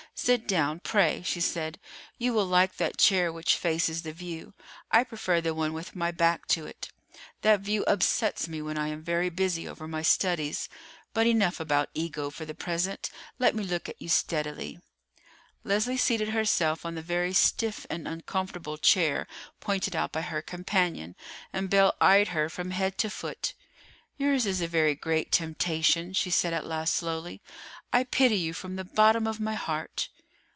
"Sit down, pray," she said. "You will like that chair which faces the view. I prefer the one with my back to it. That view upsets me when I am very busy over my studies. But enough about Ego for the present. Let me look at you steadily." Leslie seated herself on the very stiff and uncomfortable chair pointed out by her companion, and Belle eyed her from head to foot. "Yours is a very great temptation," she said at last slowly. "I pity you from the bottom of my heart."